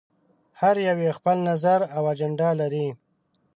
هر يو یې خپل نظر او اجنډا لري.